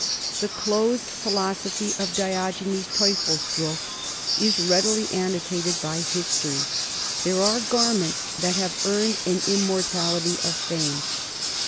The clothes philosophy of Diogenes Teufelsdroch is readily annotated by history. There are garments that have earned an immortality of fame.